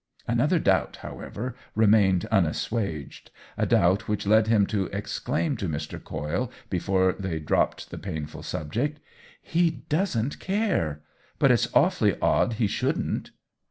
Another doubt, however, remained unassuaged — a doubt which led him to exclaim to Mr. Coyle, before they dropped the painful subject, " He doesrCt care ! But it's awfully odd he shouldn't